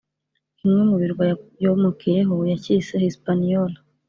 Kimwe mu birwa yomokeyeho yacyise Hispaniola